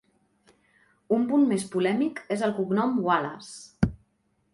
Un punt més polèmic és el cognom Wallace.